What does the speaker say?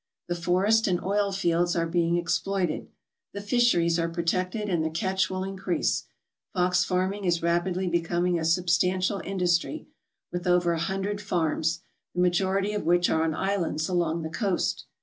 The forest and oil fields are being exploited. The fisheries are protected and the catch will increase. Fox fanning is rapidly becoming a substantial industry, with over a hundred farms, the majority of which are on islands along the coast.